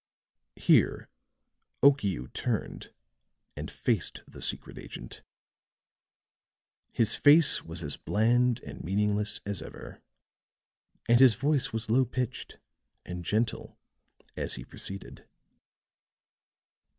Here Okiu turned and faced the secret agent. His face was as bland and meaningless as ever, and his voice was low pitched and gentle, as he proceeded.